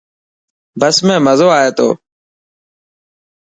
بس ۾ مزو آئي تو.